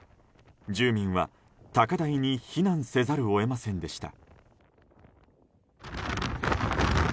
住民は高台に避難せざるを得ませんでした。